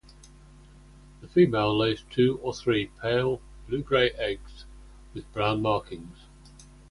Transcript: The female lays two or three pale blue-grey eggs with brown markings.